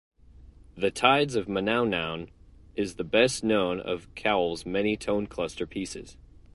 "The Tides of Manaunaun" is the best known of Cowell's many tone cluster pieces.